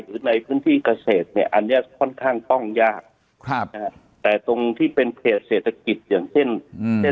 หรือในพื้นที่เกษตรเนี่ยอันเนี้ยค่อนข้างต้องยากครับนะฮะแต่ตรงที่เป็นเขตเศรษฐกิจอย่างเช่นอืม